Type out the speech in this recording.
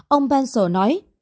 ông pencil nói